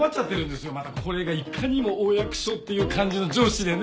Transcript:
またこれがいかにもお役所っていう感じの上司でね。